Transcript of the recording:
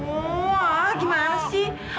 aduh gimana sih